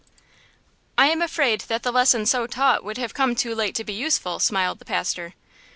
"I am afraid that the lesson so taught would have come too late to be useful!" smiled the pastor.